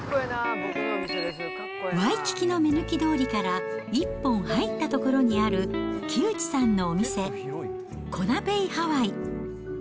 ワイキキの目抜き通りから一本入った所にある木内さんのお店、コナ・ベイ・ハワイ。